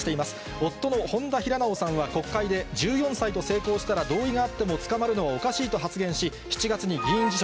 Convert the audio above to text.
夫の本多平直さんは国会で１４歳と性交したら同意があっても捕まるのはおかしいと発言し、７月に議員辞職。